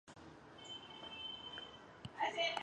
该物种的模式产地在海南岛那大。